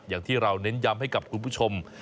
อย่างที่เราเน้นย้ำให้กับคุณผู้ชม